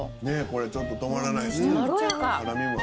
ねえこれちょっと止まらないですね。